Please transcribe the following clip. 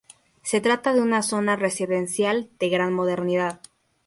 Se trata de una zona residencial de gran modernidad.